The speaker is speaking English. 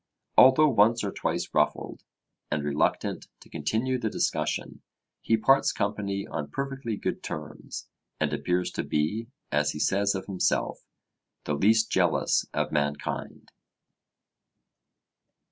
Although once or twice ruffled, and reluctant to continue the discussion, he parts company on perfectly good terms, and appears to be, as he says of himself, the 'least jealous of mankind.'